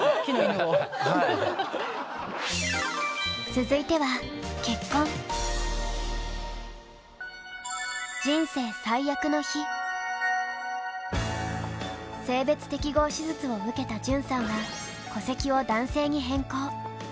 続いては性別適合手術を受けた潤さんは戸籍を男性に変更。